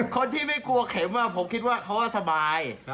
คนที่ไม่กลัวเข็มผมคิดว่าเขาสบาย